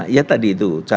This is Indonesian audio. ya tadi itu